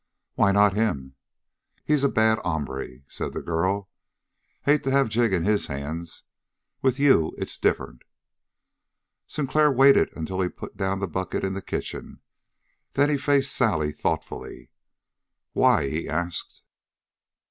"Why not him?" "He's a bad hombre," said the girl. "Hate to have Jig in his hands. With you it's different." Sinclair waited until he had put down the bucket in the kitchen. Then he faced Sally thoughtfully. "Why?" he asked.